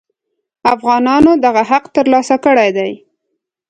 افغانانو دغه حق تر لاسه کړی دی.